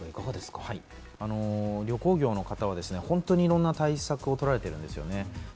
旅行業の方は本当にいろんな対策を取られてるんですよね。